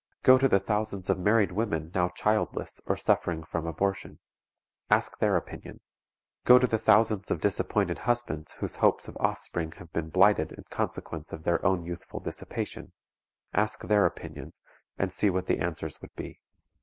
Go to the thousands of married women now childless or suffering from abortion; ask their opinion. Go to the thousands of disappointed husbands whose hopes of offspring have been blighted in consequence of their own youthful dissipation; ask their opinion, and see what the answers would be.